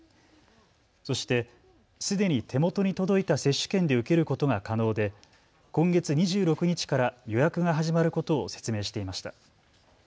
そしてすでに手元に届いた接種券で受けることが可能で今月２６日から予約が始まることを説明していました。